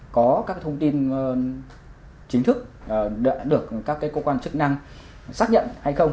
có các thông tin chính thức đã được các cơ quan chức năng xác nhận hay không